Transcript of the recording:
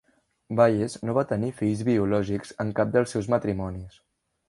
Bayes no va tenir fills biològics en cap dels seus matrimonis.